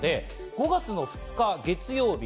５月の２日、月曜日。